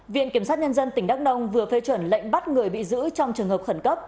viện kiểm sát nhân dân tỉnh đắk nông vừa phê chuẩn lệnh bắt người bị giữ trong trường hợp khẩn cấp